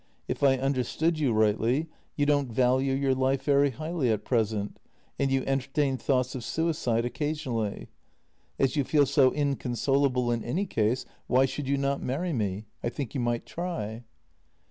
If I understood you rightly, you don't value your life very highly at present, and you entertain thoughts of suicide occasionally. As you feel so inconsolable in any case, why should you not marry me? I think you might try."